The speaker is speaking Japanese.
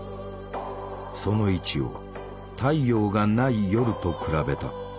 その位置を太陽がない夜と比べた。